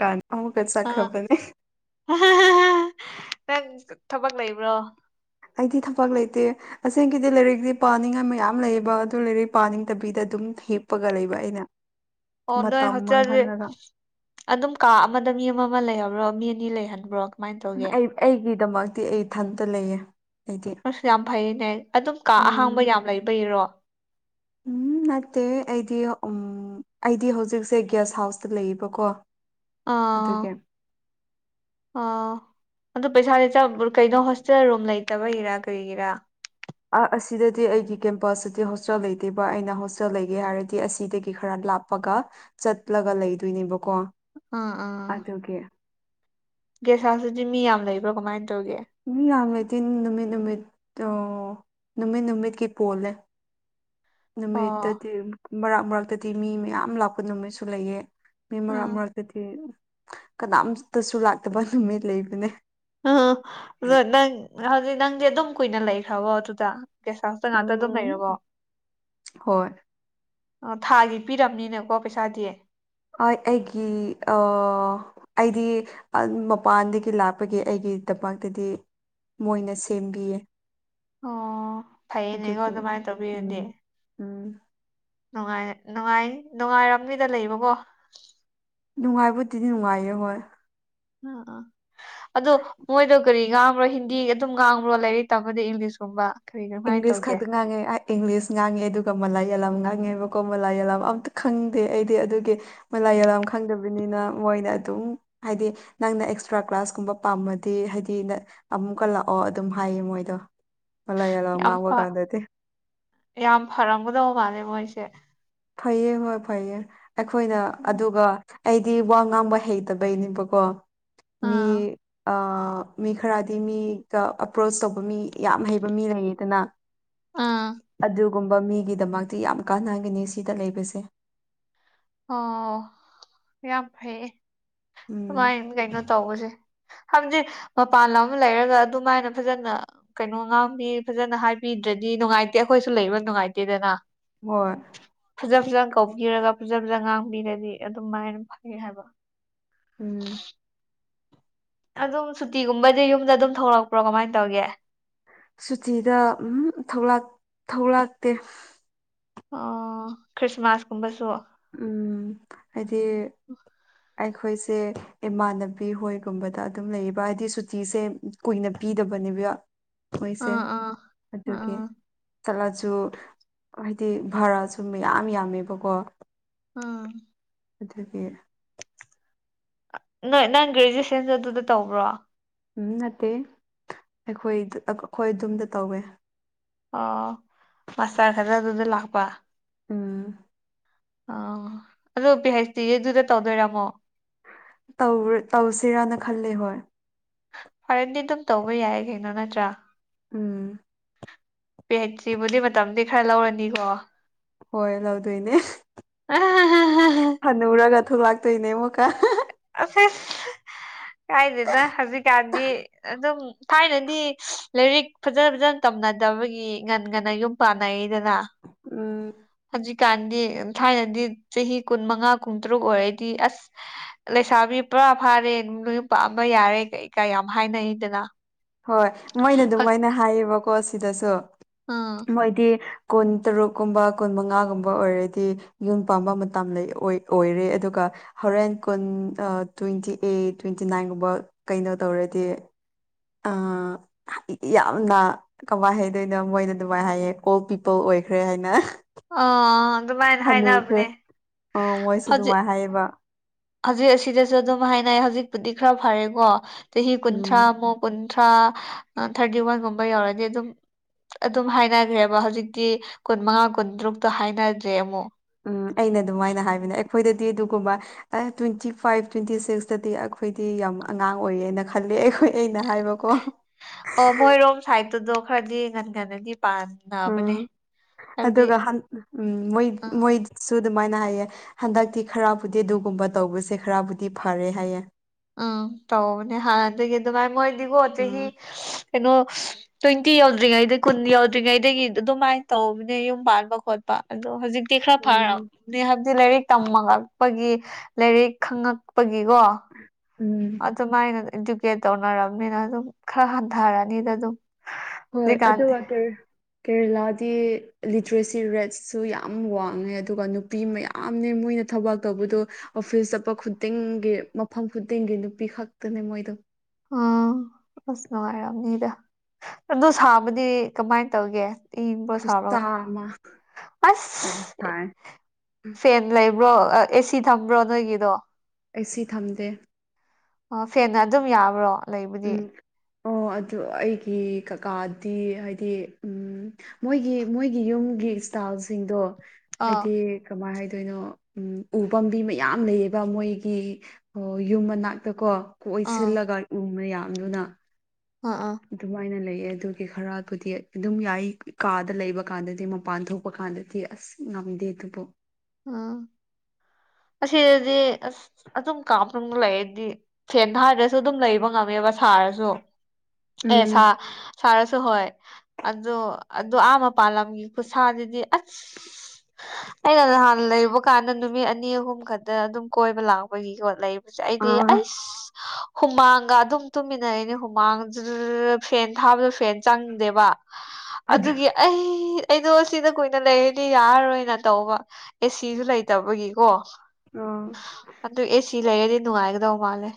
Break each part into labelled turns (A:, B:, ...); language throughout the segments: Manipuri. A: ꯀꯥꯟ ꯑꯃꯨꯛꯀ
B: ꯑꯥ
A: ꯆꯠꯈ꯭ꯔꯕꯅꯦ
B: ꯅꯪ ꯊꯕꯛ ꯂꯩꯕ꯭ꯔꯣ
A: ꯑꯩꯗꯤ ꯊꯕꯛ ꯂꯩꯇꯦ ꯑꯁꯦꯡꯒꯤꯗꯤ ꯂꯥꯏꯔꯤꯛꯇꯤ ꯄꯥꯅꯤꯡꯉꯥꯏ ꯃꯌꯥꯝ ꯂꯩꯌꯦꯕ ꯑꯗꯨ ꯂꯥꯏꯔꯤꯛ ꯄꯥꯅꯤꯡꯗꯕꯤꯗ ꯑꯗꯨꯝ ꯍꯤꯞꯄꯒ ꯂꯩꯕ ꯑꯩꯅ
B: ꯑꯣ ꯅꯣꯏ
A: ꯃꯇꯝ
B: ꯍꯣꯁꯇꯦꯜꯗꯤ
A: ꯃꯥꯡꯍꯜꯂꯒ
B: ꯑꯗꯨꯝ ꯀꯥ ꯑꯃꯗ ꯃꯤ ꯑꯃ ꯑꯃ ꯂꯩꯍꯥꯟꯕ꯭ꯔꯣ ꯃꯤ ꯑꯅꯤ ꯂꯩꯍꯟꯕ꯭ꯔꯣ ꯀꯃꯥꯏꯅ ꯇꯧꯒꯦ
A: ꯑꯩ ꯑꯩꯒꯤꯗꯃꯛꯇꯤ ꯑꯩ ꯏꯊꯟꯇ ꯂꯩꯌꯦ ꯑꯩꯗꯤ
B: ꯑꯁ ꯌꯥꯝ ꯐꯩꯅꯦ ꯑꯗꯨ ꯀꯥ
A: ꯎꯝ
B: ꯑꯍꯥꯡꯕ ꯌꯥꯝ ꯂꯩꯕꯩꯔꯣ
A: ꯎꯝ ꯅꯠꯇꯦ ꯑꯩꯗꯤ ꯑꯩꯗꯤ ꯍꯧꯖꯤꯛꯁꯦ ꯒꯦꯁ ꯍꯥꯎꯁꯇ ꯂꯩꯌꯦꯕꯀꯣ
B: ꯑꯥ
A: ꯑꯗꯨꯒꯤ
B: ꯑꯣ ꯑꯗꯨ ꯄꯩꯁꯥꯗꯤ ꯀꯩꯅꯣ ꯍꯣꯁꯇꯦꯜ ꯔꯨꯝ ꯂꯩꯇꯕꯒꯤꯔꯥ ꯀꯔꯤꯒꯤꯔꯥ
A: ꯑꯁꯤꯗꯗꯤ ꯑꯩꯒꯤ ꯀꯦꯝꯄꯁꯇꯗꯤ ꯍꯣꯁꯇꯦꯜ ꯂꯩꯇꯦꯕ ꯑꯩꯅ ꯍꯣꯁꯇꯦꯜ ꯂꯩꯒꯦ ꯍꯥꯏꯔꯗꯤ ꯑꯁꯤꯗꯒꯤ ꯈꯔ ꯂꯥꯞ ꯄꯒ ꯆꯠꯂꯒ ꯂꯩꯗꯣꯏꯅꯦꯕꯀꯣ
B: ꯑꯥ ꯑꯥ
A: ꯒꯦ [inaudible]
B: ꯒꯦꯁ ꯍꯥꯎꯁꯇꯗꯤ ꯃꯤ ꯌꯥꯝ ꯂꯩꯕ꯭ꯔꯣ ꯀꯃꯥꯏꯅ ꯇꯧꯒꯦ
A: ꯃꯤ ꯌꯥꯝ ꯂꯩꯇꯦ ꯅꯨꯃꯤꯠ ꯅꯨꯃꯤꯠ ꯇꯣ ꯅꯨꯃꯤꯠ ꯅꯨꯃꯤꯠꯀꯤ ꯄꯣꯜꯂꯦ
B: [unintelligible]
A: ꯅꯨꯃꯤꯠꯇꯗꯤ ꯃꯔꯛ ꯃꯔꯛꯇꯗꯤ ꯃꯤ ꯃꯌꯥꯝ ꯂꯥꯛꯄ ꯅꯨꯃꯤꯠꯁꯨ ꯂꯩꯌꯦ ꯃꯤ ꯃꯔꯛ
B: ꯑꯥ
A: ꯃꯔꯛꯇꯗꯤ ꯀꯅꯥꯝꯇꯁꯨ ꯂꯥꯛꯇꯕ ꯅꯨꯃꯤꯠ ꯂꯩꯕꯅꯦ
B: ꯎꯝ ꯑꯗꯣ ꯅꯪ ꯍꯧꯖꯤꯛ ꯅꯪꯗꯤ ꯑꯗꯨꯝ ꯀꯨꯏꯅ ꯂꯩꯈ꯭ꯔꯕꯣ ꯑꯗꯨꯗ ꯒꯦꯁ ꯍꯥꯎꯁꯇ ꯉꯥꯛꯇ ꯑꯗꯨꯝ ꯂꯩꯔꯕꯣ
A: ꯎꯝ ꯍꯣꯏ
B: ꯊꯥꯒꯤ ꯄꯤꯔꯕꯅꯤꯅꯦꯀꯣ ꯄꯩꯁꯥꯗꯤ
A: ꯑꯣ ꯑꯩꯒꯤ ꯑꯣ ꯑꯩꯗꯤ ꯃꯄꯥꯟꯗꯒꯤ ꯂꯥꯛꯄꯒꯤ ꯑꯩꯗꯤ ꯇꯝꯃꯛꯇꯗꯤ ꯫ ꯃꯣꯏꯅ ꯁꯦꯝꯕꯤꯌꯦ
B: ꯑꯣ ꯐꯩꯌꯦꯅꯦꯀꯣ
A: ꯑꯗꯨꯒꯤ
B: ꯑꯗꯨꯃꯥꯏꯅ ꯇꯧꯕꯤꯔꯗꯤ
A: ꯎꯝ
B: ꯫
A: ꯎꯝ
B: ꯅꯨꯡꯉꯥꯏ ꯅꯨꯡꯉꯥꯏ ꯅꯨꯡꯉꯥꯏꯔꯝꯅꯤꯗ ꯂꯩꯕꯀꯣ
A: ꯅꯨꯡꯉꯥꯏꯕꯨꯗꯤ ꯅꯨꯡꯉꯥꯏꯌꯦ ꯍꯣꯏ
B: [inaudible] ꯑꯗꯣ ꯃꯣꯏꯗꯣ ꯀꯔꯤ ꯉꯥꯡꯕ꯭ꯔꯣ ꯍꯤꯟꯗꯤ ꯑꯗꯨꯝ ꯉꯥꯡꯕ꯭ꯔꯣ ꯂꯥꯏꯔꯤꯛ ꯇꯝꯕꯗꯤ ꯏꯪꯂꯤꯁꯀꯨꯝꯕ ꯀꯔꯤ ꯀꯃꯥꯏꯅ
A: ꯏꯪꯂꯤꯁ
B: ꯇꯧꯒꯦ
A: ꯈꯥꯛꯗ ꯉꯥꯡꯉꯦ ꯏꯪꯂꯤꯁ ꯉꯥꯡꯉꯦ ꯑꯗꯨꯒ ꯃꯂꯥꯌꯥꯂꯝ ꯉꯥꯡꯉꯦꯕꯀꯣ ꯃꯂꯥꯌꯥꯂꯝ ꯑꯝꯇ ꯈꯪꯗꯦ ꯑꯩꯗꯤ ꯑꯗꯨꯒꯤ ꯫ ꯃꯂꯥꯏꯌꯥꯂꯥꯝ ꯈꯪꯗꯕꯅꯤꯅ ꯃꯣꯏꯅ ꯑꯗꯨꯝ ꯍꯥꯏꯗꯤ ꯅꯪꯅ ꯑꯦꯛꯁꯇ꯭ꯔꯥ ꯀ꯭ꯂꯥꯁꯀꯨꯝꯕ ꯄꯥꯝꯃꯗꯤ ꯍꯥꯏꯗꯤ ꯑꯃꯨꯛꯀ ꯂꯥꯛꯑꯣ ꯑꯗꯨꯝ ꯍꯥꯏꯌꯦ ꯃꯣꯏꯗꯣ ꯃꯂꯥꯌꯥꯂꯝ
B: ꯌꯥꯝ ꯐ
A: ꯉꯥꯡꯕ ꯀꯥꯟꯗꯗꯤ ꯫
B: ꯌꯥꯝ ꯐꯔꯝꯒꯗꯧ ꯃꯥꯜꯂꯦ ꯃꯣꯏꯁꯦ
A: ꯐꯩꯌꯦ ꯍꯣꯏ ꯐꯩꯌꯦ ꯑꯩꯈꯣꯏꯅ ꯑꯗꯨꯒ ꯑꯩꯗꯤ ꯋꯥ ꯉꯥꯡꯕ ꯍꯩꯇꯕꯩꯅꯦꯕꯀꯣ ꯃꯤ
B: ꯑꯥ
A: ꯃꯤ ꯈꯔꯗꯤ ꯃꯤꯒ ꯑꯦꯄ꯭ꯔꯣꯁ ꯇꯧꯕ ꯃꯤ ꯌꯥꯝ ꯍꯩꯕ ꯃꯤ ꯂꯩꯌꯦꯗꯅ
B: ꯑꯥ
A: ꯑꯗꯨꯒꯨꯝꯕ ꯃꯤꯒꯤꯗꯃꯛꯇꯤ ꯌꯥꯝ ꯀꯥꯟꯅꯒꯅꯤ ꯁꯤꯗ ꯂꯩꯕꯁꯦ
B: ꯑꯣ ꯌꯥꯝ ꯐꯩꯌꯦ
A: ꯎꯝ
B: ꯑꯗꯨꯃꯥꯏꯅ ꯀꯩꯅꯣ ꯇꯧꯕꯁꯦ ꯘꯥꯏꯕꯗꯤ ꯃꯄꯥꯟ ꯂꯝꯗ ꯂꯩꯔꯒ ꯑꯗꯨꯃꯥꯏꯅ ꯐꯖꯅ ꯀꯩꯅꯣ ꯉꯥꯝꯃꯤ ꯐꯖꯅ ꯍꯥꯏꯕꯤꯗ꯭ꯔꯗꯤ ꯅꯨꯡꯉꯥꯏꯇꯦ ꯑꯩꯈꯣꯏꯁꯨ ꯂꯩꯕ ꯅꯨꯡꯉꯥꯏꯇꯦꯗꯅ
A: ꯍꯣꯏ
B: ꯐꯖ ꯐꯖꯅ ꯀꯧꯕꯤꯔꯒ ꯐꯖ ꯐꯖ ꯉꯥꯡꯕꯤꯔꯗꯤ ꯑꯗꯨꯃꯥꯏꯅ ꯐꯉ ꯍꯥꯏꯕ
A: ꯎꯝ
B: ꯑꯗꯨꯝ ꯁꯨꯇꯤꯒꯨꯝꯕꯗꯤ ꯌꯨꯝꯗ ꯑꯗꯨꯝ ꯊꯣꯛꯂꯛꯄ꯭ꯔꯣ ꯀꯃꯥꯏꯅ ꯇꯧꯒꯦ
A: ꯁꯨꯇꯤꯗ ꯎ ꯊꯣꯛꯂꯛ ꯊꯣꯛꯂꯛꯇꯦ
B: ꯑꯣ ꯈ꯭ꯔꯤꯁꯃꯥꯁꯀꯨꯝꯕꯁꯨ
A: ꯎꯝ ꯍꯥꯏꯗꯤ ꯑꯩꯈꯣꯏꯁꯦ ꯏꯃꯥꯟꯅꯕꯤ ꯍꯣꯏꯒꯨꯝꯕꯗ ꯑꯗꯨꯝ ꯂꯩꯌꯦꯕ ꯍꯥꯏꯗꯤ ꯁꯨꯇꯤꯁꯦ ꯀꯨꯏꯅ ꯄꯤꯗꯕꯅꯦꯕ ꯃꯣꯏꯁꯦ
B: ꯑꯥ ꯑꯥ
A: ꯑꯗꯨꯒꯤ
B: ꯑꯥ
A: ꯆꯠꯂꯁꯨ ꯍꯥꯏꯗꯤ ꯚꯔꯁꯨ ꯃꯌꯥꯝ ꯌꯥꯝꯃꯦꯕꯀꯣ
B: ꯑꯥ
A: ꯑꯗꯨꯒꯤ
B: ꯅꯪ ꯅꯪ ꯒ꯭ꯔꯦꯖꯨꯋꯦꯁꯟꯁꯨ ꯑꯗꯨꯗ ꯇꯧꯕ꯭ꯔꯣ
A: ꯎꯝ ꯅꯠꯇꯦ ꯑꯩꯈꯣꯏ ꯑꯩꯈꯣꯏ ꯑꯗꯣꯝꯗ ꯇꯧꯋꯦ
B: ꯑꯣ ꯃꯁꯇꯔꯗꯅ ꯑꯗꯨꯗ ꯂꯥꯛꯄ
A: ꯎꯝ
B: ꯑꯣ ꯑꯗꯣ ꯄꯤ ꯍꯩꯁ ꯗꯤꯗꯤ ꯑꯗꯨꯗ ꯇꯧꯗꯣꯏꯔ ꯑꯃꯨꯛ
A: ꯇꯧꯁꯤꯔꯅ ꯈꯜꯂꯦ ꯍꯣꯏ
B: ꯐꯔꯦꯗꯤ ꯑꯗꯨꯝ ꯇꯧꯕ ꯌꯥꯏ ꯀꯩꯅꯣ ꯅꯠꯇ꯭ꯔꯥ
A: ꯎꯝ
B: ꯄꯦ ꯍꯩꯁ ꯗꯤꯕꯨꯗꯤ ꯃꯇꯝꯗꯤ ꯈꯔ ꯂꯧꯔꯅꯤꯀꯣ
A: ꯍꯣꯏ ꯂꯧꯗꯣꯏꯅꯦ ꯍꯅꯨꯔꯒ ꯊꯣꯛꯂꯛꯇꯣꯏꯅꯦ ꯑꯃꯨꯛꯀ
B: ꯑꯁ ꯀꯥꯏꯗꯦꯗ ꯍꯧꯖꯤꯛꯀꯥꯟꯗꯤ ꯑꯗꯨꯝ ꯊꯥꯏꯅꯗꯤ ꯂꯥꯏꯔꯤꯛ ꯐꯖ ꯐꯖꯅ ꯇꯝꯅꯗꯕꯒꯤ ꯉꯟ ꯉꯟꯅ ꯌꯨꯝ ꯄꯥꯟꯅꯩꯗꯅ
A: ꯎꯝ
B: ꯍꯧꯖꯤꯛꯀꯥꯟꯗꯤ ꯊꯥꯏꯅꯗꯤ ꯆꯍꯤ ꯀꯨꯟ ꯃꯉꯥ ꯀꯨꯟꯇꯔꯨꯛ ꯑꯣꯏꯔꯗꯤ ꯑꯁ ꯂꯩꯁꯥꯕꯤ ꯄꯨꯔꯥ ꯐꯥꯔꯦ ꯅꯌꯨꯝꯄꯥꯟꯕ ꯌꯥꯔꯦ ꯀꯩ ꯀꯥ ꯌꯥꯝ ꯍꯥꯏꯅꯩꯗꯅ
A: ꯍꯣꯏ ꯃꯣꯏꯅ ꯑꯗꯨꯃꯥꯏꯅ ꯍꯥꯏꯌꯦꯕꯀꯣ ꯁꯤꯗꯁꯨ
B: ꯎꯝ
A: ꯃꯣꯏꯗꯤ ꯀꯨꯟ ꯇꯔꯨꯛꯀꯨꯝꯕ ꯀꯨꯟ ꯃꯉꯥꯒꯨꯝꯕ ꯑꯣꯏꯔꯗꯤ ꯌꯨꯝ ꯄꯥꯟꯕ ꯃꯇꯝ ꯂꯩ ꯑꯣꯏ ꯑꯣꯏꯔꯦ ꯑꯗꯨꯒ ꯍꯧꯔꯦꯟ ꯀꯨꯟ ꯑ ꯇꯣꯏꯟꯇꯤ ꯑꯩꯠ ꯇꯣꯏꯟꯇꯤ ꯅꯥꯏꯟꯒꯨꯝꯕ ꯀꯩꯅꯣ ꯇꯧꯔꯗꯤ ꯑꯥ ꯑꯩꯗꯤ ꯌꯥꯝꯅ ꯀꯃꯥꯏ ꯍꯗꯣꯏꯅꯣ ꯃꯣꯏꯅ ꯑꯗꯨꯃꯥꯏꯅ ꯍꯥꯏꯌꯦ ꯀꯣꯜ ꯀꯤ ꯇꯣꯜ ꯑꯣꯏꯈ꯭ꯔꯦ ꯍꯥꯏꯅ
B: ꯑ ꯑꯗꯨꯃꯥꯏꯅ
A: ꯍꯟꯅꯨꯈ꯭ꯔꯦ
B: ꯍꯥꯏꯅꯕꯅꯦ
A: ꯑ ꯃꯣꯏꯁꯨ
B: ꯍꯧꯖꯤꯛ
A: ꯑꯗꯨꯃꯥꯏꯅ ꯍꯥꯏꯌꯦꯕ
B: ꯍꯧꯖꯤꯛ ꯑꯁꯤꯗꯁꯨ ꯑꯗꯨꯝ ꯍꯥꯏꯅꯩ ꯍꯧꯖꯤꯛꯄꯨꯗꯤ ꯈꯔ ꯐꯔꯦꯀꯣ ꯆꯍꯤ
A: ꯎꯝ
B: ꯀꯨꯟꯊ꯭ꯔꯥꯃꯨꯛ ꯀꯨꯟ ꯊ꯭ꯔꯥ ꯑ ꯊꯥꯔꯇꯤ ꯋꯥꯟꯒꯨꯝꯕ ꯌꯧꯔꯗꯤ ꯑꯗꯨꯝ ꯑꯗꯨꯝ ꯍꯥꯏꯔꯛꯑꯒꯦꯕ ꯍꯧꯖꯤꯛꯇꯤ ꯀꯨꯟꯃꯉꯥ ꯀꯨꯟꯇꯔꯨꯛꯇ ꯍꯥꯏꯅꯗ꯭ꯔꯦ ꯑꯃꯨꯛ
A: ꯎꯝ ꯑꯩꯅ ꯑꯗꯨꯃꯥꯏꯅ ꯍꯥꯏꯕꯅꯦ ꯑꯈꯣꯏꯗꯗꯤ ꯑꯗꯨꯒꯨꯝꯕ ꯑ ꯇꯣꯏꯟꯇꯤ ꯐꯥꯏꯚ ꯇꯣꯏꯟꯇꯤ ꯁꯤꯛꯁꯇꯗꯤ ꯑꯈꯣꯏꯗꯤ ꯌꯥꯝ ꯑꯉꯥꯡ ꯑꯣꯏꯌꯦꯅ ꯈꯜꯂꯦ ꯑꯩꯈꯣꯏ ꯑꯩꯅ ꯍꯥꯏꯕ ꯀꯣ
B: ꯑꯣ ꯃꯣꯏꯔꯣꯝ ꯁꯥꯏꯠꯇꯨꯗꯣ ꯈꯔꯗꯤ ꯉꯟꯒꯅꯗꯤ ꯄꯥꯟ
A: ꯎꯝ ꯑꯗꯨꯒ ꯍꯟ ꯎꯝ ꯃꯣꯏ
B: ꯎꯝ
A: ꯃꯣꯏꯗꯤ ꯁꯨ ꯑꯗꯨꯃꯥꯏꯅ ꯍꯥꯏꯌꯦ ꯍꯟꯗꯛꯇꯤ ꯈꯔꯕꯨꯗꯤ ꯑꯗꯨꯒꯨꯝꯕ ꯇꯧꯕꯁꯦ ꯈꯔꯕꯨꯗꯤ ꯐꯔꯦ ꯍꯥꯏꯌꯦ
B: ꯑ ꯇꯧꯕꯅꯦ ꯍꯥꯟꯅꯗꯒꯤ ꯑꯗꯨꯃꯥꯏ ꯃꯣꯏꯗꯤꯒꯣ ꯆꯍꯤ
A: ꯎꯝ
B: ꯀꯩꯅꯣ ꯇꯣꯏꯟꯇꯤ ꯌꯧꯗ꯭ꯔꯤꯉꯩꯗꯩ ꯀꯨꯟ ꯌꯧꯗ꯭ꯔꯤꯉꯩꯗꯒꯤ ꯑꯗꯨꯝꯃꯥꯏꯟ ꯇꯧꯕꯅꯦ ꯌꯨꯝ ꯄꯥꯟꯕ ꯈꯣꯠ ꯄ ꯑꯗꯣ ꯍꯧꯖꯤꯛꯇꯤ ꯈꯔ
A: ꯎꯝ
B: ꯐꯔꯕꯅꯦ ꯍꯥꯏꯕꯗꯤ ꯂꯥꯏꯔꯤꯛ ꯇꯝꯃꯉꯛꯄꯒꯤ ꯂꯥꯏꯔꯤꯛ ꯈꯪꯉꯛꯄꯒꯤꯒꯣ
A: ꯎꯝ
B: ꯑꯗꯨꯃꯥꯏꯅ ꯏꯗꯨꯀꯦꯠ ꯇꯧꯅꯔꯕꯅꯤꯅ ꯑꯗꯨꯝ ꯈꯔ ꯍꯟꯊꯔꯅꯤꯗ ꯑꯗꯨꯝ
A: ꯍꯣꯏ ꯑꯗꯨ
B: ꯍꯧꯖꯤꯛꯀꯥꯟꯗꯤ
A: ꯋꯥꯇꯔ ꯀꯦꯔꯦꯂꯥꯗꯤ ꯂꯤꯇ꯭ꯔꯦꯁꯤ ꯔꯦꯠꯁꯨ ꯌꯥꯝ ꯋꯥꯡꯉꯦ ꯑꯗꯨꯒ ꯅꯨꯞ ꯄꯤ ꯃꯌꯥꯝꯅꯦ ꯃꯣꯏꯅ ꯊꯕꯥꯛ ꯇꯧꯕꯗꯣ ꯑꯣꯐꯤꯁ ꯆꯠꯄ ꯈꯨꯗꯤꯡꯒꯤ ꯃꯐꯝ ꯈꯨꯗꯤꯡꯒꯤ ꯅꯨꯄꯤ ꯈꯛꯇꯅꯦ ꯃꯣꯏꯗꯣ
B: ꯎꯝ ꯑꯁ ꯅꯨꯡꯉꯥꯏꯔꯝꯅꯤꯗ ꯑꯗꯨ ꯁꯥꯕꯗꯤ ꯀꯃꯥꯏꯟ ꯇꯧꯒꯦ ꯏꯪꯕ꯭ꯔꯣ ꯁꯕ꯭ꯔꯣ
A: ꯈꯨꯠꯁꯥ ꯑꯃ ꯌꯥꯝ
B: ꯑꯁ
A: ꯁꯥꯏ
B: ꯐꯦꯟ ꯂꯩꯕ꯭ꯔꯣ ꯑ ꯑꯦꯁꯤ ꯊꯝꯕ꯭ꯔꯣ ꯅꯣꯏꯒꯤꯗꯣ
A: ꯑꯩꯁꯤ ꯊꯝꯗꯦ
B: ꯑꯣ ꯐꯦꯟꯅ ꯑꯗꯨꯝ ꯌꯥꯕ꯭ꯔꯣ ꯂꯩꯕꯨꯗꯤ
A: ꯎꯝ ꯑꯣ ꯑꯗꯨ ꯑꯩꯒꯤ ꯀꯥꯀꯥꯗꯤ ꯍꯥꯏꯗꯤ ꯎꯝ ꯃꯣꯏꯒꯤ ꯃꯣꯏꯒꯤ ꯌꯨꯝꯒꯤ ꯏꯁꯇꯥꯜꯁꯤꯡꯗꯣ
B: ꯑꯥ
A: ꯍꯥꯏꯗꯤ ꯀꯃꯥꯏ ꯍꯥꯏꯗꯣꯏꯅꯣ ꯎꯝ ꯎ ꯄꯥꯝꯕꯤ ꯃꯌꯥꯝ ꯂꯩꯌꯦꯕ ꯃꯣꯏꯒꯤ ꯑꯣ ꯌꯨꯝ ꯃꯅꯥꯛꯇ ꯀꯣ
B: ꯑꯥ
A: ꯀꯣꯏꯁꯤꯜꯂꯒ ꯎ ꯃꯌꯥꯝꯗꯨꯅ
B: ꯑ ꯑ
A: ꯑꯗꯨꯃꯥꯏꯅ ꯂꯩꯌꯦ ꯑꯗꯨꯒꯤ ꯈꯔꯕꯨꯗꯤ ꯑꯗꯨꯝ ꯌꯥꯏ ꯀꯥꯗ ꯂꯩꯕ ꯀꯥꯟꯗꯗꯤ ꯃꯄꯥꯟ ꯊꯣꯛꯄ ꯀꯥꯟꯗꯗꯤ ꯑꯁ ꯉꯝꯗꯦ ꯑꯗꯨꯕꯨ
B: ꯎꯝ ꯑꯁꯤꯗꯗꯤ ꯑꯁ ꯑꯗꯨꯝ ꯀꯥꯃꯅꯨꯡ ꯂꯩꯔꯗꯤ ꯐꯦꯟ ꯊꯥꯗ꯭ꯔꯁꯨ ꯑꯗꯨꯝ ꯂꯩꯕ ꯉꯝꯃꯦꯕ ꯁꯥꯔꯁꯨ ꯑꯦ ꯁꯥ
A: ꯎꯝ
B: ꯁꯥꯔꯁꯨ ꯍꯣꯏ ꯑꯗꯨ ꯑꯗꯨ ꯑꯥ ꯃꯄꯥꯥꯟꯂꯝꯒꯤ ꯈꯨꯠꯁꯥꯗꯨꯗꯤ ꯑꯁ ꯑꯩꯅ ꯅꯍꯥꯟ ꯂꯩꯕ ꯀꯥꯟꯗ ꯅꯨꯃꯤꯠ ꯑꯅꯤ ꯑꯍꯨꯝ ꯈꯛꯇ ꯑꯗꯨꯝ ꯀꯣꯏꯕ ꯂꯥꯛꯄꯒꯤꯀꯣ ꯂꯩ ꯃꯁꯦ ꯑꯩꯗꯤ
A: ꯑꯥ
B: ꯑꯩꯁ ꯍꯨꯃꯥꯡꯒ ꯑꯗꯨꯝ ꯇꯨꯝꯃꯤꯟꯅꯩꯑꯦꯅꯦ ꯍꯨꯃꯥꯡꯖꯨꯔꯨꯔꯨ ꯐꯦꯟ ꯊꯥꯕꯗ ꯐꯦꯟ ꯆꯪꯗꯦꯕ
A: ꯑꯗꯨ
B: ꯑꯗꯨꯒꯤ ꯑꯩ ꯑꯩꯗꯣ ꯁꯤꯅ ꯀꯨꯏꯅ ꯂꯩꯔꯗꯤ ꯌꯔꯥꯔꯣꯏꯅ ꯇꯧꯕ ꯑꯦꯁꯤꯖꯨ ꯂꯩꯇꯕꯒꯤꯀꯣ
A: [unintelligible]
B: ꯑꯗꯨ ꯑꯦ ꯁꯤ ꯂꯩꯔꯗꯤ ꯅꯨꯡꯉꯥꯏꯒꯗꯧ ꯃꯥꯜꯂꯦ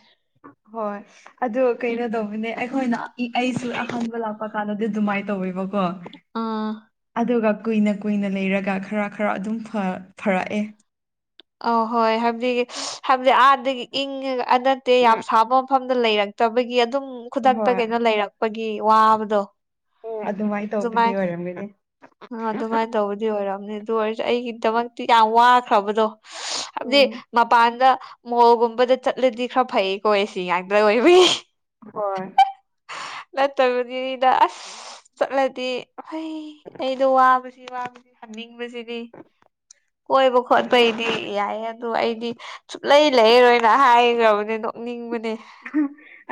A: ꯍꯣꯏ ꯑꯗꯣ ꯀꯩꯅꯣ ꯇꯧꯕꯅꯦ ꯑꯩꯈꯣꯏꯅ ꯑꯩꯁꯨ ꯑꯍꯥꯟꯕ ꯂꯥꯛꯄ ꯀꯥꯟꯗꯗꯤ ꯑꯗꯨꯃꯥꯏꯅ ꯇꯧꯋꯦꯕꯀꯣ
B: ꯑꯥ
A: ꯑꯗꯨꯒ ꯀꯨꯏꯅ ꯀꯨꯏꯅ ꯂꯩꯔꯒ ꯈꯔ ꯈꯔ ꯑꯗꯨꯝ ꯐꯥ ꯐꯔꯛꯑꯦ
B: ꯑ ꯍꯣꯏ ꯍꯥꯏꯕꯗꯤ ꯍꯥꯏꯕꯗꯤ ꯑꯥꯗꯒꯤ ꯏꯪꯉꯒ ꯑ ꯅꯠꯇꯦ ꯌꯥꯝ ꯁꯥꯕ ꯁꯣꯝꯗ ꯂꯩꯔꯛꯇꯕꯒꯤ ꯑꯗꯨꯝ ꯈꯨꯗꯛꯇ
A: ꯍꯣꯏ
B: ꯀꯩꯅꯣ ꯂꯩꯔꯛꯄꯒꯤ ꯋꯥꯕꯗꯣ
A: ꯑꯗꯨꯃꯥꯏꯅ
B: ꯑꯗꯨꯃꯥꯏ
A: ꯇꯧꯕꯒꯤ ꯑꯣꯏꯔꯝꯒꯅꯤ
B: ꯍ ꯑꯗꯨꯃꯥꯏ ꯇꯧꯕꯗꯤ ꯑꯣꯏꯔꯝꯅꯤ ꯑꯗꯨ ꯑꯣꯏꯔꯁꯨ ꯑꯩꯒꯤꯗꯃꯛꯇꯤ ꯌꯥꯝ ꯋꯥꯈ꯭ꯔꯕꯗꯣ ꯍꯥꯏꯕꯗꯤ ꯃꯄꯥꯟꯗ ꯃꯣꯜꯒꯨꯝꯕꯗ ꯆꯠꯂꯗꯤ ꯈꯔ ꯐꯩꯀꯣ ꯑ‌ꯦꯁꯤ ꯉꯥꯛꯇ ꯑꯣꯏꯕꯒꯤ
A: ꯍꯣꯏ
B: ꯅꯠꯇꯕꯅꯤꯗ ꯑꯁ ꯆꯠꯂꯗꯤ ꯐꯩ ꯑꯩꯗꯣ ꯋꯥꯕꯁꯤ ꯋꯥꯕꯁꯤ ꯍꯥꯅꯤꯡꯕꯁꯤꯗꯤ ꯀꯣꯏꯕ
A: ꯑꯩꯈꯣꯏ
B: ꯈꯣꯠꯄꯩꯗꯤ ꯌꯥꯏꯌꯦ ꯑꯗꯣ ꯑꯩꯗꯤ ꯁꯨꯡꯂꯩ ꯂꯩꯔꯣꯏꯅ ꯍꯥꯏꯒ‍꯭ꯔꯕꯅꯦ ꯅꯣꯛꯅꯤꯡꯕꯅꯦ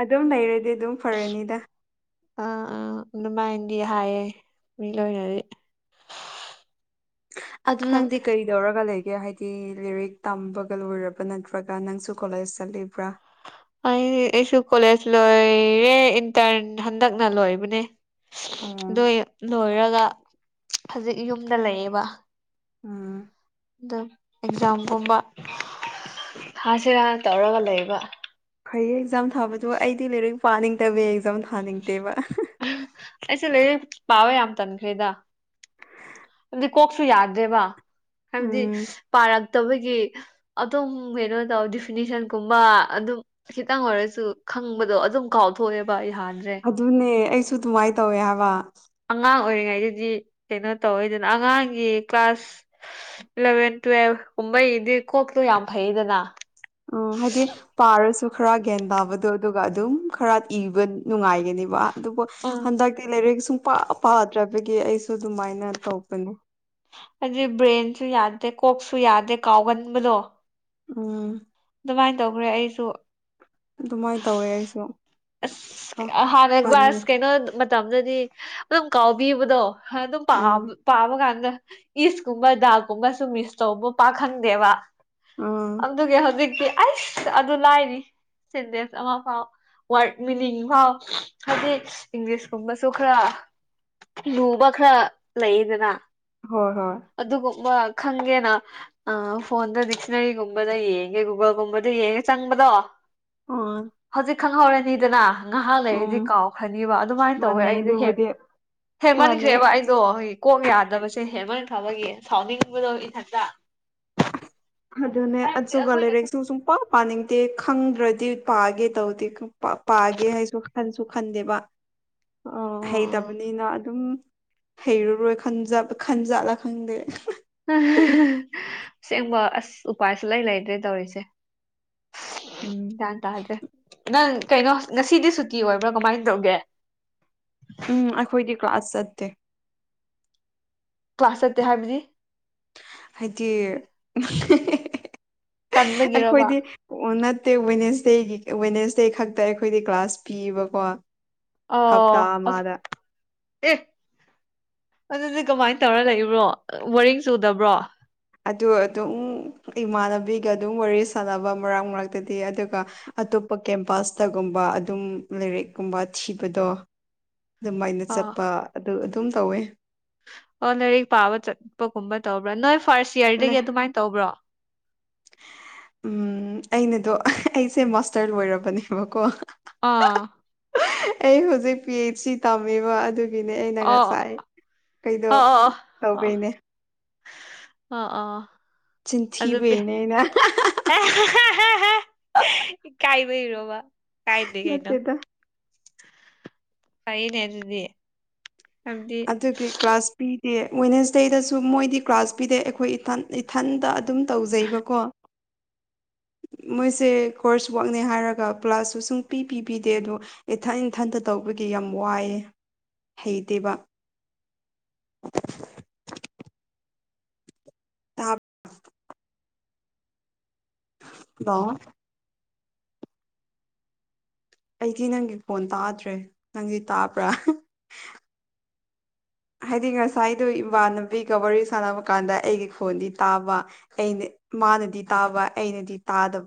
A: ꯑꯗꯨꯝ ꯂꯩꯔꯗꯤ ꯑꯗꯨꯝ ꯐꯔꯅꯤꯗ
B: ꯑꯥ ꯑꯥ ꯑꯗꯨꯃꯥꯏꯅꯗꯤ ꯍꯥꯏꯌꯦ ꯃꯤ ꯂꯣꯏꯅꯗꯤ
A: ꯑꯗꯨ
B: ꯈꯪ
A: ꯅꯪꯗꯤ ꯀꯩꯗꯧꯔꯒ ꯂꯩꯒꯦ ꯍꯥꯏ ꯂꯔꯤꯛ ꯇꯝꯕꯒ ꯂꯣꯏꯔꯕ ꯅꯠꯇ꯭ꯔꯒ ꯅꯪꯁꯨ ꯀꯣꯂꯦꯖ ꯆꯠꯂꯤꯕ꯭ꯔꯥ
B: ꯑꯩ ꯑꯩꯁꯨ ꯀꯣꯂꯦꯖ ꯂꯣꯏꯔꯦ ꯏꯟꯇꯔꯟ ꯍꯟꯗꯛꯅ ꯂꯣꯏꯕꯅꯦ
A: ꯑꯣ
B: ꯗꯨꯏ ꯂꯣꯏꯔꯒ ꯍꯧꯖꯤꯛ ꯌꯨꯝꯗ ꯂꯩꯌꯦꯕ
A: ꯎꯝ
B: ꯑꯗꯨꯝ ꯑꯦꯛꯖꯥꯝꯒꯨꯝꯕ ꯊꯥꯁꯤꯔꯥ ꯇꯧꯔꯒ ꯂꯩꯕ
A: ꯐꯩꯌꯦ ꯑꯦꯛꯖꯥꯝ ꯊꯥꯕꯗꯣ ꯑꯩꯗꯤ ꯂꯣꯏꯔꯤꯛ ꯄꯥꯅꯤꯡꯗꯕ ꯑꯦꯛꯖꯥꯝ ꯊꯥꯅꯤꯡꯗꯦꯕ
B: ꯑꯩꯁꯦ ꯂꯩ ꯄꯥꯋꯦ ꯌꯥꯝ ꯇꯟꯈ꯭ꯔꯦꯗ ꯍꯥꯏꯕꯗꯤ ꯀꯣꯛꯁꯨ ꯌꯥꯗ꯭ꯔꯦꯕ ꯍꯥꯏꯕꯗꯤ
A: ꯎꯝ
B: ꯄꯥꯔꯛꯇꯕꯒꯤ ꯑꯗꯨꯝ ꯀꯩꯅꯣ ꯇꯧ ꯗꯤꯐꯤꯅꯤꯁꯟꯒꯨꯝꯕ ꯑꯗꯨꯝ ꯈꯤꯇꯪ ꯑꯣꯏꯔꯁꯨ ꯈꯪꯕꯗꯣ ꯑꯗꯨꯝ ꯀꯥꯎꯊꯣꯛꯑꯦꯕ ꯍꯥꯟꯗ꯭ꯔꯦ
A: ꯑꯗꯨꯅꯦ ꯑꯩꯁꯨ ꯑꯗꯨꯃꯥꯏꯅ ꯇꯧꯋꯦ ꯍꯥꯏꯕ
B: ꯑꯉꯥꯡ ꯑꯣꯏꯔꯤꯉꯩꯗꯗꯤ ꯀꯩꯅꯣ ꯇꯧꯋꯦꯗꯅ ꯑꯉꯥꯡꯒꯤ ꯀ꯭ꯂꯥꯁ ꯏꯂꯚꯦꯟ ꯇꯨꯋꯦꯜꯕ ꯀꯨꯝꯕꯩꯗꯤ ꯀꯣꯛꯇꯣ ꯌꯥꯝ ꯐꯩꯗꯅ
A: ꯑꯝ ꯍꯥꯏꯗꯤ ꯄꯥꯔꯁꯨ ꯈꯔ ꯒ꯭ꯌꯥꯟ ꯇꯥꯕꯗꯣ ꯑꯗꯨꯒ ꯑꯗꯨꯝ ꯈꯔ ꯏꯕ ꯅꯨꯡꯉꯥꯏꯒꯅꯦꯕ ꯑꯗꯨꯕꯨ
B: ꯎꯝ
A: ꯍꯟꯗꯛꯇꯤ ꯂꯩꯔꯛ ꯁꯨꯡ ꯄꯥꯗ꯭ꯔꯕꯒꯤ ꯑꯩꯁꯨ ꯑꯗꯨꯃꯥꯏꯅ ꯇꯧꯕꯅꯦ
B: ꯍꯥꯏꯗꯤ ꯕ꯭ꯔꯦꯟꯁꯨ ꯌꯥꯗꯦ ꯀꯣꯛꯁꯨ ꯌꯥꯗꯦ ꯀꯥꯎꯒꯟꯕꯗꯣ
A: ꯎꯝ
B: ꯗꯨꯃꯥꯏ ꯇꯧꯈ꯭ꯔꯦ ꯑꯩꯁꯨ
A: ꯑꯗꯨꯃꯥꯏ ꯇꯧꯋꯦ ꯑꯩꯁꯨ
B: ꯑꯁ ꯍꯥꯟꯅ
A: ꯀꯅꯨ
B: ꯒ꯭ꯔꯥꯁ ꯀꯩꯅꯣ ꯃꯇꯝꯗꯗꯤ ꯑꯗꯨꯝ ꯀꯥꯎꯕꯤꯕꯗꯣ ꯑꯗꯨꯝ ꯄꯥ
A: ꯎꯝ
B: ꯄꯥꯕ ꯀꯥꯟꯗ ꯏꯁꯀꯨꯝꯕ ꯗꯥꯜꯀꯨꯝꯕꯁꯨ ꯃꯤꯛꯁ ꯇꯧꯕ ꯄꯥꯈꯪꯗꯦꯕ
A: ꯎꯝ
B: ꯑꯗꯨꯒꯤ ꯍꯧꯖꯤꯛꯇꯤ ꯑꯩꯁ ꯑꯗꯨ ꯂꯥꯏꯅꯤ ꯁꯦꯟꯇꯦꯟꯁ ꯑꯃ ꯐꯥꯎ ꯋꯥꯔꯗ ꯃꯤꯅꯤꯡ ꯐꯥꯎ ꯍꯥꯏꯗꯤ ꯏꯪꯂꯤꯁꯀꯨꯝꯕꯁꯨ ꯈꯔ ꯂꯨꯕ ꯈꯔ ꯂꯩꯗꯅ
A: ꯍꯣꯏ ꯍꯣꯏ
B: ꯑꯗꯨꯒꯨꯝꯕ ꯈꯪꯒꯦꯅ ꯑ ꯐꯣꯟꯗ ꯗꯤꯛꯁꯅꯔꯤꯒꯨꯝꯕꯗ ꯌꯦꯡꯒꯦ ꯒꯨꯒꯜꯒꯨꯝꯕꯗ ꯌꯦꯡꯉꯦ ꯆꯪꯕꯗꯣ
A: ꯎꯝ
B: ꯍꯧꯖꯤꯛ ꯈꯪꯍꯧꯔꯅꯤꯗꯅ ꯉꯥꯏꯍꯥ
A: ꯎꯝ
B: ꯂꯩꯔꯗꯤ ꯀꯥꯎꯈ꯭ꯔꯅꯤꯕ ꯑꯗꯨꯃꯥꯏꯅ ꯇꯧꯋꯦ
A: ꯃꯥꯟꯅꯩ
B: ꯑꯩꯗꯤ ꯍꯦꯟ
A: ꯑꯗꯨꯕꯨꯗꯤ ꯃꯥꯟꯅꯩ
B: ꯍꯦꯟꯃꯟꯈ꯭ꯔꯦꯕ ꯑꯩꯗꯣ ꯀꯣꯛ ꯌꯥꯗꯕꯁꯦ ꯍꯦꯟꯃꯟꯈ꯭ꯔꯕꯒꯤ ꯁꯥꯎꯟꯅꯤꯡꯕꯗꯣ ꯏꯊꯟꯇ
A: ꯑꯗꯨꯅꯦ
B: ꯍꯥꯏꯕꯗꯤ
A: ꯑꯆꯨꯒ
B: ꯑꯩꯈꯣꯏꯅ ꯁꯨꯝ
A: ꯂꯥꯏꯔꯤꯛꯁꯨ ꯁꯨꯡꯄ ꯄꯥꯅꯤꯡꯗꯦ ꯈꯪꯗ꯭ꯔꯗꯤ ꯄꯥꯒꯦ ꯇꯧꯗꯦ ꯄꯥꯒꯦ ꯍꯥꯏꯁꯨ ꯈꯟꯁꯨ ꯈꯟꯗꯦꯕ꯫ ꯍꯩꯇꯕꯅꯤꯅ ꯑꯗꯨꯝ꯫ ꯍꯩꯔꯔꯣꯏ ꯈꯟꯖꯥꯞ ꯈꯟꯖꯥꯔ ꯈꯪꯗꯦ꯫
B: ꯑꯁꯦꯡꯕ ꯑꯁ ꯎꯄꯥꯏ ꯁꯨꯡ ꯂꯩ ꯂꯩꯇ꯭ꯔꯦ ꯇꯧꯔꯤꯁꯦ꯫
A: ꯎꯝ
B: ꯒ꯭ꯌꯥꯟ ꯇꯥꯗ꯭ꯔꯦ ꯅꯪ ꯀꯩꯅꯣ ꯉꯁꯤꯗꯤ ꯁꯨꯇꯤ ꯑꯣꯏꯕ꯭ꯔꯥ ꯀꯃꯥꯏ ꯇꯧꯒꯦ꯫
A: ꯎꯝ ꯑꯩꯈꯣꯏꯗꯤ ꯀ꯭ꯂꯥꯁ ꯆꯠꯇꯦ꯫
B: ꯀ꯭ꯂꯥꯁ ꯆꯠꯇꯦ ꯍꯥꯏꯕꯗꯤ꯫
A: ꯍꯥꯏꯗꯤ
B: ꯇꯟꯕꯒꯤꯔꯕ
A: ꯑꯩꯈꯣꯏꯗꯤ꯫ ꯑꯣ ꯅꯠꯇꯦ ꯋꯦꯠꯅꯁꯗꯦꯒꯤ ꯋꯦꯠꯅꯁꯗꯦ ꯈꯛꯇ ꯑꯩꯈꯣꯏꯗꯤ ꯀ꯭ꯂꯥꯁ ꯄꯤꯕꯀꯣ꯫
B: ꯑꯣ
A: ꯍꯞꯇꯥ
B: ꯑꯁ꯫
A: ꯑꯃꯗ
B: ꯑꯦ ꯑꯗꯨꯗꯤ ꯀꯃꯥꯏ ꯇꯧꯔ ꯂꯩꯕ꯭ꯔꯣ ꯕꯣꯔꯤꯡ ꯆꯨꯗꯕ꯭ꯔꯣ꯫
A: ꯑꯗꯨ ꯑꯗꯨꯝ ꯏꯃꯥꯟꯅꯕꯤꯒ ꯑꯗꯨꯝ ꯋꯥꯔꯤ ꯁꯥꯟꯅꯕ ꯃꯔꯛ ꯃꯔꯛꯇꯗꯤ ꯑꯗꯨꯒ ꯑꯇꯣꯞꯄ ꯀꯦꯝꯄꯥꯁꯇꯒꯨꯝꯕ ꯑꯗꯨꯝ ꯂꯥꯏꯔꯤꯛꯀꯨꯝꯕ ꯊꯤꯕꯗꯣ꯫ ꯑꯗꯨꯝꯃꯥꯏꯅ
B: ꯑꯥ
A: ꯆꯠꯄ ꯑꯗꯨ ꯑꯗꯨꯝ ꯇꯧꯋꯦ꯫
B: ꯑꯣ ꯂꯥꯏꯔꯤꯛ ꯄꯥꯕ ꯆꯠꯄꯒꯨꯝꯕ ꯇꯧꯕ꯭ꯔꯥ ꯅꯣꯏ ꯐꯥꯔꯁ ꯌꯔꯗꯒꯤ ꯑꯗꯨꯃꯥꯏꯅ ꯇꯧꯕ꯭ꯔꯣ꯫
A: ꯎꯝ ꯑꯩꯅꯗꯣ ꯑꯩꯁꯦ ꯃꯥꯁꯇꯔ ꯂꯣꯏꯔꯕꯅꯦꯕꯀꯣ꯫
B: ꯑꯥ꯫
A: ꯑꯩ ꯍꯧꯖꯤꯛꯇꯤ ꯁꯤ ꯇꯧꯕꯤꯕ ꯑꯗꯨꯒꯤ ꯒꯤꯅꯦ ꯑꯩꯅ
B: ꯑꯣ
A: ꯉꯁꯥꯏ ꯀꯩꯗꯣ
B: ꯑꯣ ꯑꯣ ꯑꯣ
A: ꯇꯧꯕꯩꯅꯦ꯫
B: ꯑꯣ ꯑꯣ꯫ ꯑꯗꯨ ꯄꯤ
A: ꯆꯤꯟꯊꯤꯕꯩꯅꯤ ꯑꯩꯅ
B: ꯏꯀꯥꯏꯕꯩꯔꯣꯕ ꯀꯥꯏꯗꯦ ꯀꯩꯅꯣ꯫
A: ꯅꯠꯇꯦꯗ
B: ꯐꯩꯅꯦ ꯑꯗꯨꯗꯤ꯫ ꯍꯥꯏꯕꯗꯤ
A: ꯑꯗꯨꯒꯤ꯫ ꯀ꯭ꯂꯥꯁ ꯄꯤꯗꯦ ꯋꯦꯠꯅꯦꯁꯗꯦꯗꯁꯨ ꯃꯣꯏꯗꯤ ꯀ꯭ꯂꯥꯁ ꯄꯤꯗꯦ ꯑꯩꯈꯣꯏ ꯏꯊꯟ ꯏꯊꯟꯗ ꯑꯗꯨꯝ ꯇꯧꯖꯩꯕꯀꯣ꯫
B: [inaudible]
A: ꯃꯣꯏꯁꯦ ꯀꯣꯔꯁ ꯋꯥꯛꯅꯦ ꯍꯥꯏꯔꯒ ꯀꯥ꯭ꯂꯁꯁꯨ ꯁꯨꯡ ꯄꯤ ꯄꯤꯕꯤꯗꯦ ꯑꯗꯣ ꯏꯊꯟ ꯏꯊꯟꯇ ꯇꯧꯕꯒꯤ ꯌꯥꯝ ꯋꯥꯏꯌꯦ ꯍꯩꯇꯦꯕ꯫ [inaudible] ꯍꯜꯂꯣ ꯑꯩꯗꯤ ꯅꯪꯒꯤ ꯈꯣꯟ ꯇꯥꯗ꯭ꯔꯦ ꯅꯪꯗꯤ ꯇꯥꯕ꯭ꯔꯥ꯫ ꯍꯥꯏꯗꯤ ꯉꯁꯥꯏꯗꯣ ꯏꯃꯥꯟꯅꯕꯤꯒ ꯋꯥꯔꯤ ꯁꯥꯟꯅꯕ ꯀꯥꯟꯗ ꯑꯩꯒꯤ ꯈꯣꯟꯗꯤ ꯇꯥꯕ ꯑꯩꯅ ꯃꯥꯅꯗꯤ ꯇꯥꯕ ꯑꯩꯅꯗꯤ ꯇꯥꯗꯕ꯫